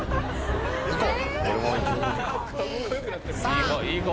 いこう。